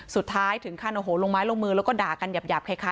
สุดท้ายถึงขั้นโอ้โหลงไม้ลงมือแล้วก็ด่ากันหยาบคล้าย